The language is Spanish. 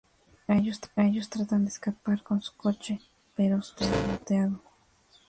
Ellos tratan de escapar con su coche, pero su saboteado.